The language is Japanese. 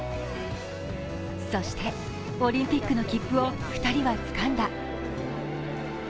そしてオリンピックの切符を２人はつかんだ。